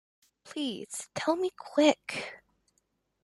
Please tell me quick!